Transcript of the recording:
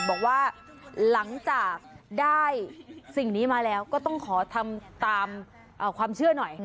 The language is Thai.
บอกว่าหลังจากได้สิ่งนี้มาแล้วก็ต้องขอทำตามความเชื่อหน่อย